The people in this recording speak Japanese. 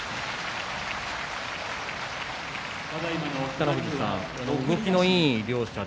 北の富士さん、動きのいい両者